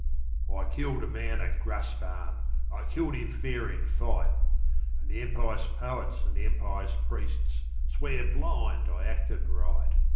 _) I killed a man at Graspan, I killed him fair in fight; And the Empire's poets and the Empire's priests Swear blind I acted right.